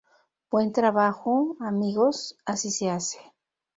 Buen trabajo, amigos. Así se hace.